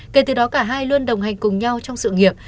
kể từ đó cả hai luôn đồng hành cùng nhau trong sự nghiệp